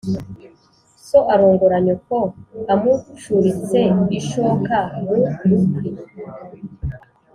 So arongora nyoko amucuritse-Ishoka mu rukwi.